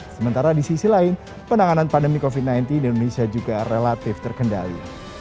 sementara di sisi lain penanganan pandemi covid sembilan belas di indonesia juga relatif terkendali